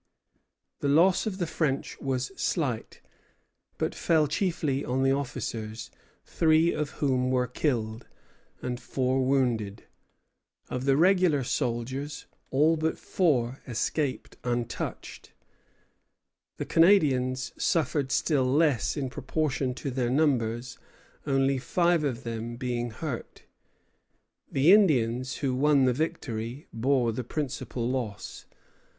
The loss of the French was slight, but fell chiefly on the officers, three of whom were killed, and four wounded. Of the regular soldiers, all but four escaped untouched. The Canadians suffered still less, in proportion to their numbers, only five of them being hurt. The Indians, who won the victory, bore the principal loss.